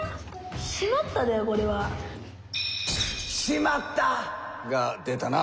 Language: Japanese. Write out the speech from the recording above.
「しまった！」が出たな。